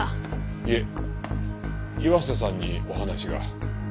いえ岩瀬さんにお話が。